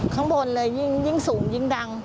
ข้างบนเลยยิ่งสูงยิ่งดัง